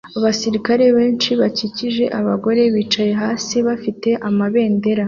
Abasirikare benshi bakikije abagore bicaye hasi bafite amabendera